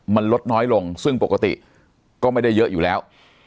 มันลดน้อยลงซึ่งปกติก็ไม่ได้เยอะอยู่แล้ว